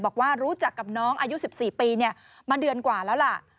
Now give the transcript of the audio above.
บอกว่ารู้จักกับน้องอายุ๑๔ปีมาเดือนกว่าแล้วล่ะ